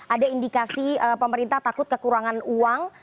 ada indikasi pemerintah takut kekurangan uang